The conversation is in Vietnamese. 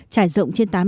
trải rộng trên tám xã